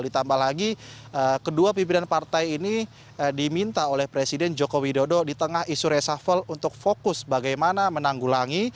ditambah lagi kedua pimpinan partai ini diminta oleh presiden joko widodo di tengah isu resafel untuk fokus bagaimana menanggulangi